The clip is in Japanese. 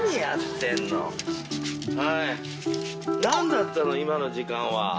何だったの今の時間は。